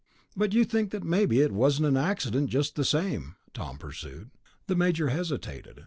"But you think that maybe it wasn't an accident, just the same," Tom pursued. The major hesitated.